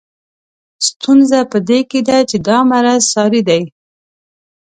ستونزه په دې کې ده چې دا مرض ساري دی.